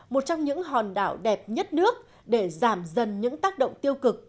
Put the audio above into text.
một trong những hòn đảo đẹp nhất nước để giảm dần những tác động tiêu cực